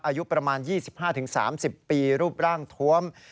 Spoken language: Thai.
อายุประมาณ๒๕๓๐ปีรูปร่างทวม